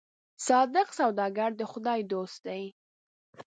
صادق سوداګر د خدای دوست دی.